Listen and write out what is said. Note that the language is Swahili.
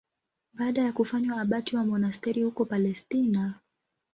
Baada ya kufanywa abati wa monasteri huko Palestina.